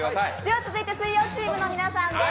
続いて水曜チームの皆さんです。